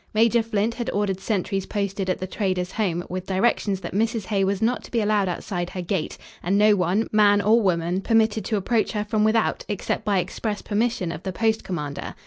Major Flint had ordered sentries posted at the trader's home, with directions that Mrs. Hay was not to be allowed outside her gate, and no one, man or woman, permitted to approach her from without except by express permission of the post commander.